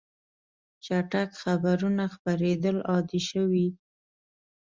چټک خبرونه خپرېدل عادي شوي.